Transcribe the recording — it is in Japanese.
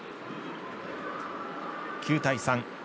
９対３。